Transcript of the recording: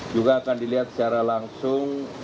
juga akan dilihat secara langsung